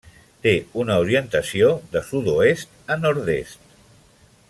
Té una orientació de sud-oest a nord-est.